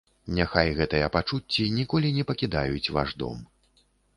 Няхай гэтыя пачуцці ніколі не пакідаюць ваш дом.